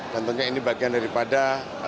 tentunya ini bagian daripada